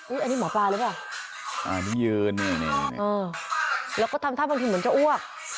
อันนี้หมอปลาหรือเปล่าอันนี้ยืนนี่นี่แล้วก็ทำท่าบางทีเหมือนจะอ้วก